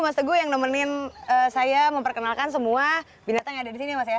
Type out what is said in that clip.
mas teguh yang nemenin saya memperkenalkan semua binatang yang ada di sini mas ya